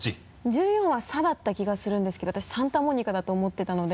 １４は「サ」だった気がするんですけど私「サンタモニカ」だと思ってたので。